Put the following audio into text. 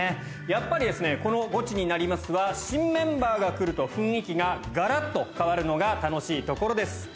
やっぱりこの「ゴチになります！」は新メンバーが来ると雰囲気ががらっと変わるのが楽しいところです。